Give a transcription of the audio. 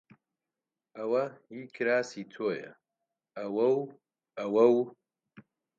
ئەوە هیی کراسی تۆیە! ئەوە و ئەوە و